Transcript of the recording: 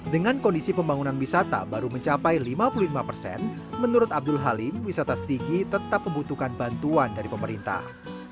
dengan kondisi pembangunan wisata baru mencapai lima puluh lima persen menurut abdul halim wisata stigi tetap membutuhkan bantuan dari pemerintah